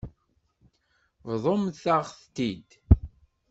Bḍumt-aɣ-t-id.